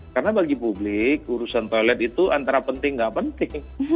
karena bagi publik urusan toilet itu antara penting nggak penting